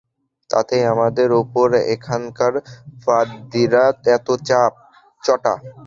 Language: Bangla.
তাতেই তোমাদের উপর এখানকার পাদ্রীরা এত চটা।